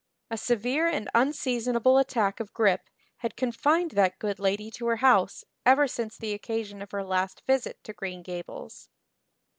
A severe and unseasonable attack of grippe had confined that good lady to her house ever since the occasion of her last visit to Green Gables.